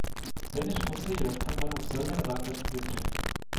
Téměř po celý rok tam vanou silné západní větry.